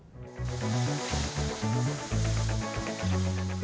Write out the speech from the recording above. minyak goreng kemasan